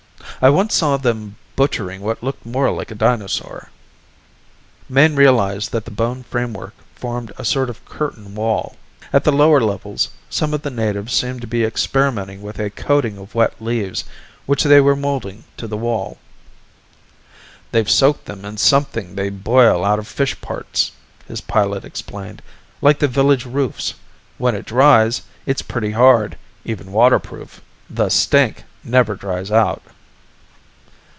I once saw them butchering what looked more like a dinosaur." Mayne realized that the bone framework formed a sort of curtain wall. At the lower levels, some of the natives seemed to be experimenting with a coating of wet leaves which they were molding to the wall. "They've soaked them in something they boil out of fish parts," his pilot explained. "Like the village roofs. When it dries, it's pretty hard, even waterproof. The stink never dries out."